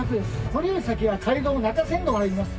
「これより先は街道の中山道へ入ります」